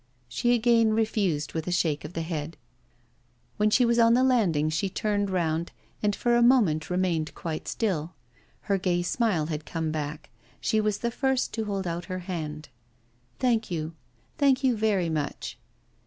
She again refused with a shake of the head. When she was on the landing she turned round, and for a moment remained quite still. Her gay smile had come back; she was the first to hold out her hand. 'Thank you, thank you very much.